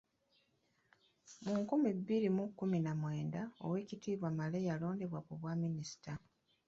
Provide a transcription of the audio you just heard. Mu nkumi bbiri mu kkumi na mwenda Oweekitiibwa Male yalondebwa ku bwa Minisita.